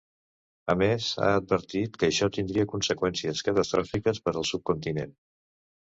A més, ha advertit que això tindria ‘conseqüències catastròfiques per al subcontinent’.